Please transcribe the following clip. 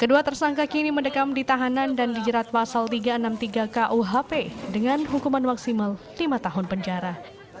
kedua tersangka kini mendekam di tahanan dan dijerat pasal tiga ratus enam puluh tiga kuhp dengan hukuman maksimal lima tahun penjara